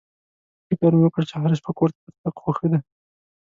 فکر مې وکړ چې هره شپه کور ته تر تګ خو ښه دی.